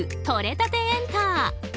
とれたてエンタ！